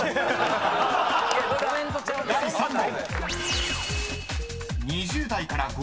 ［第３問］